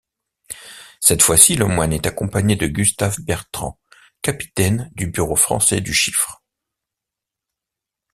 Cette fois-ci, Lemoine est accompagné de Gustave Bertrand, capitaine du bureau français du chiffre.